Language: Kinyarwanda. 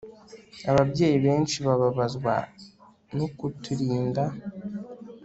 Ababyeyi benshi bababazwa nukutirinda